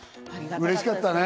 うれしかったね。